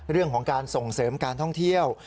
เรื่องของการส่งเสริมการท่องเที่ยว